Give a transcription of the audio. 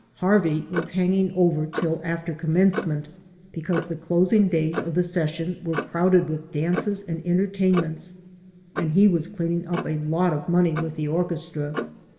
Harvey was hanging over till after Commencement, because the closing days of the session were crowded with dances and entertainments and he was cleanmg up a lot of money with the orchestra.